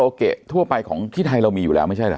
คาราโอเกะทั่วไปของที่ไทยเรามีอยู่แล้วไม่ใช่เหรอ